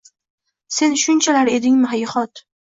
Sen shunchalar edingmi, hayhot